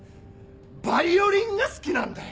バイオリンが好きなんだよ！